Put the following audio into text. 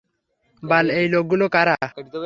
বাল, এই লোকগুলো কারা?